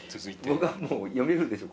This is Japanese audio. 僕はもう読めるでしょ？